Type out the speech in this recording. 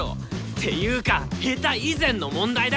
ていうか下手以前の問題だ！